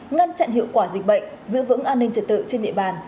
ngăn chặn hiệu quả dịch bệnh giữ vững an ninh trật tự trên địa bàn